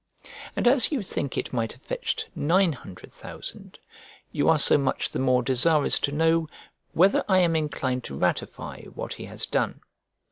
And as you think it might have fetched nine hundred thousand, you are so much the more desirous to know whether I am inclined to ratify what he has done.